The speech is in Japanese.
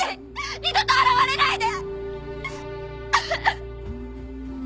二度と現れないで！